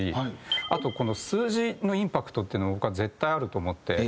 あとこの数字のインパクトっていうのも僕は絶対あると思って。